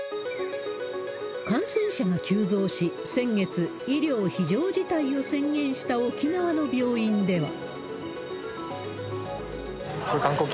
感染者が急増し、先月、医療非常事態を宣言した沖縄の病院では。